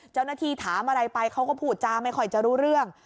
เจ้าหน้าที่ถามอะไรไปเขาก็พูดจาไม่ค่อยจะรู้เรื่อง